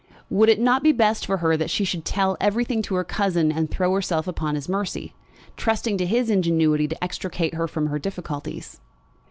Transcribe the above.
Would it not be best for her that she should tell everything to her cousin, and throw herself upon his mercy, trusting to his ingenuity to extricate her from her difficulties?